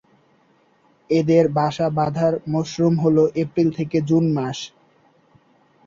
এদের বাসা বাধার মরসুম হল এপ্রিল থেকে জুন মাস।